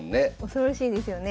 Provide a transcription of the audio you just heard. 恐ろしいですよね。